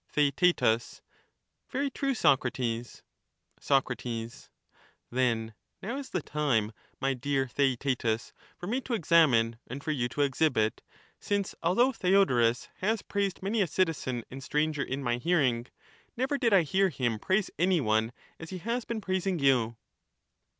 He also TheaeL Very true, Socrates. T^eactetus* Soc, Then now is the time, my dear Theaetetus, for me to intellect examine, and for you to exhibit; since although Theodorus J^^n .andso has praised many a citizen and stranger in my hearing, never Theaetetus did I hear him praise any one as he has been praising you.